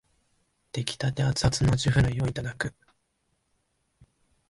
出来立てアツアツのあじフライをいただく